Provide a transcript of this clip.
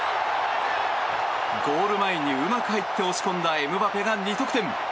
ゴール前にうまく入って押し込んだエムバペが２得点。